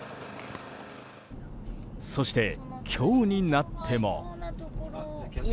そして、今日になっても。